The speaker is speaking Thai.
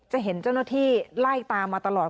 เห็นเจ้าหน้าที่ไล่ตามมาตลอด